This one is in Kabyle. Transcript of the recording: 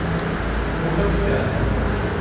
Nufa amkan.